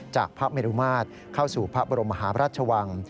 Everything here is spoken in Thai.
จากพระเมรุมาตรเข้าสู่พระบรมหาพระราชวัง